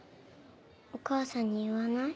お母さんに言わない？